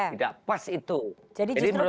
tidak pas itu jadi menurut